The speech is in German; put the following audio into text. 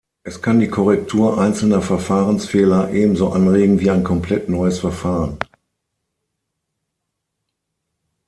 Es kann die Korrektur einzelner Verfahrensfehler ebenso anregen wie ein komplett neues Verfahren.